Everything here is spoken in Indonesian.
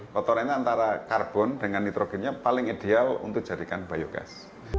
kotorannya antara karbon dengan nitrogennya paling ideal untuk jadikan biogas